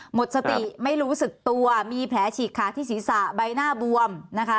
หมดสติไม่รู้สึกตัวมีแผลฉีกขาที่ศีรษะใบหน้าบวมนะคะ